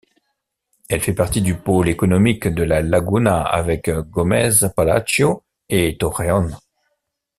Elle fait partie du pôle économique de la laguna avec Gómez Palacio et Torreon.